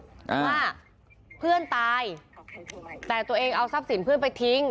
ว่าเพื่อนตายแต่ตัวเองเอาทรัพย์สินเพื่อนไปทิ้ง